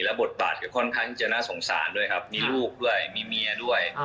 บทบาทก็ค่อนข้างที่จะน่าสงสารด้วยครับมีลูกด้วยมีเมียด้วย